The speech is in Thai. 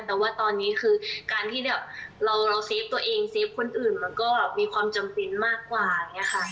แต่ว่าตอนนี้คือการที่แบบเราเซฟตัวเองเซฟคนอื่นมันก็มีความจำเป็นมากกว่าอย่างนี้ค่ะ